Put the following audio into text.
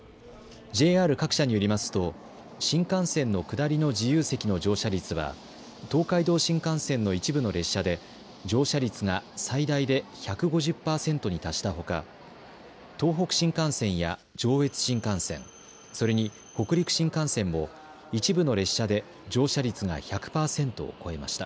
ＪＲ各社によりますと新幹線の下りの自由席の乗車率は東海道新幹線の一部の列車で乗車率が最大で１５０パーセントに達したほか東北新幹線や上越新幹線それに北陸新幹線も一部の列車で乗車率が１００パーセントを超えました。